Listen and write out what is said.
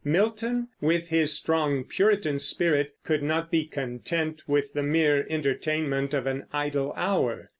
Milton, with his strong Puritan spirit, could not be content with the mere entertainment of an idle hour.